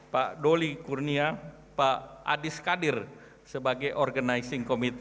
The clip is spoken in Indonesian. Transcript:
pak doli kurnia pak adis kadir sebagai penyelenggara